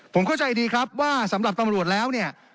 ผมเข้าใจดีครับว่าสำหรับตำรวจแล้วเนี่ย